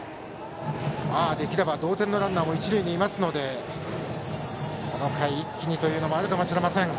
できれば同点のランナーも一塁にいるのでこの回、一気にというのもあるかもしれません。